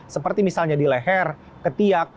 seperti misalnya di leher ketiak